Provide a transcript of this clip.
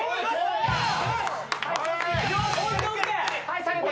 はい下げて。